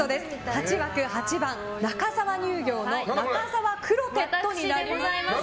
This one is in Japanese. ８枠８番、中沢乳業の中沢クロテッドになります。